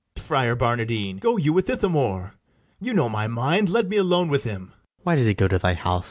Friar Barnardine, go you with Ithamore: You know my mind; let me alone with him. FRIAR JACOMO. Why does he go to thy house?